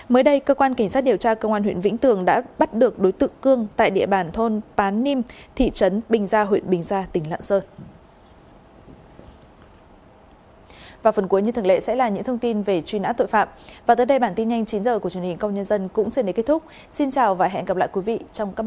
mới đây cơ quan cảnh sát điều tra công an huyện vĩnh tường đã bắt được đối tượng cương tại địa bàn thôn pán nim thị trấn bình gia huyện bình gia tỉnh lạ sơ